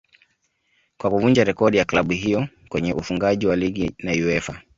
kwa kuvunja rekodi ya club hiyo kwenye ufungaji wa ligi na Uefa